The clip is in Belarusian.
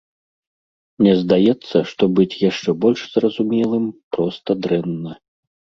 Мне здаецца, што быць яшчэ больш зразумелым проста дрэнна.